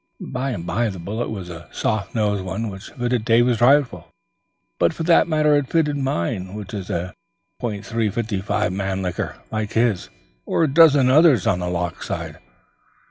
By the by, the bullet was a soft nosed one which fitted David's rifle; but for that matter it fitted mine which is a .355 Mannlicher like his or a dozen others on the loch side.